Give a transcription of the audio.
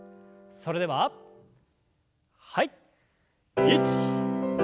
それでははい。